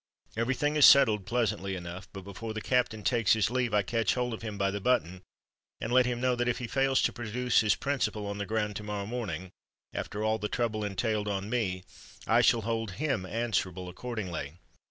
Every thing is settled pleasantly enough; but before the Captain takes his leave, I catch hold of him by the button, and let him know that if he fails to produce his principal on the ground to morrow morning, after all the trouble entailed on me, I shall hold him answerable accordingly.